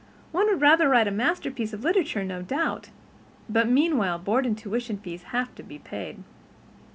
One would rather write masterpieces of literature no doubt—but meanwhile board and tuition fees have to be paid."